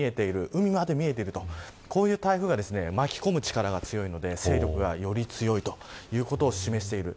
海まで見えてる台風が巻き込む力が強いので勢力がより強いということを示している。